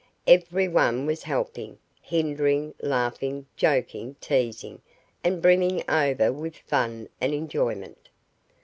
Everyone was helping, hindering, laughing, joking, teasing, and brimming over with fun and enjoyment.